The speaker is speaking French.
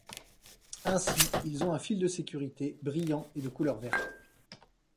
Ainsi, ils ont un fil de sécurité, brillant et de couleur verte.